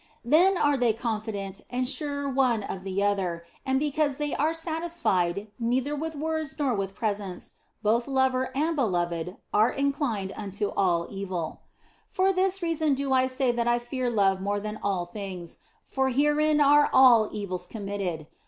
Then are they confident and sure one of the other, and because they are satisfied neither with words nor with presence, both lover and beloved are inclined unto all evil. For this reason do I say that I fear love more than all things, for herein are all evils committed.